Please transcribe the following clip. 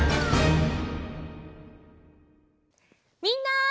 みんな！